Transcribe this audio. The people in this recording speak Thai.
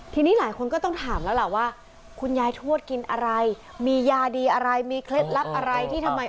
ทีนี้หลายคนก็ต้องถามแล้วล่ะว่าคุณยายทวดกินอะไรมียาดีอะไรมีเคล็ดลับอะไรที่ทำไม